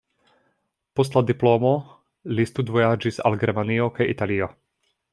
Post la diplomo li studvojaĝis al Germanio kaj Italio.